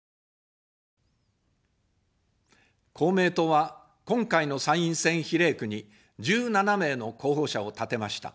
公明党は今回の参院選比例区に１７名の候補者を立てました。